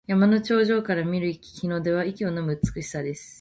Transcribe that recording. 山の頂上から見る日の出は息をのむ美しさです。